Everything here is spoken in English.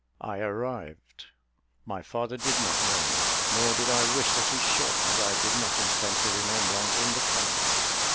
"I arrived; my father did not know me, nor did I wish that he should, as I did not intend to remain long in the company.